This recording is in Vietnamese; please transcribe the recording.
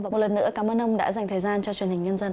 và một lần nữa cảm ơn ông đã dành thời gian cho truyền hình nhân dân